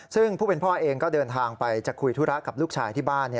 ซึ่งผู้เป็นพ่อเองก็เดินทางไปจะคุยธุระกับลูกชายที่บ้าน